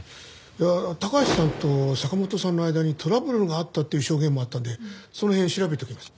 いや高橋さんと坂本さんの間にトラブルがあったっていう証言もあったんでその辺調べておきます。